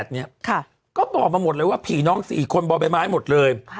เนี้ยค่ะก็บอกมาหมดเลยว่าผีน้องสี่คนบ่อแบบนี้หมดเลย